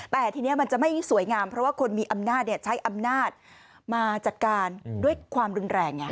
แต่ทีนี้มันจะไม่สวยงามเพราะว่าคนมีอำนาจใช้อำนาจมาจัดการด้วยความรุนแรงไง